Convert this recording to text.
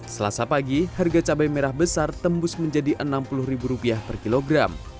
selasa pagi harga cabai merah besar tembus menjadi rp enam puluh per kilogram